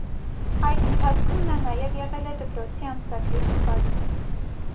Այդ ընթացքում նա նաև եղել է դպրոցի ամսագրի խմբագիր։